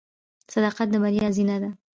• صداقت د بریا زینه ده.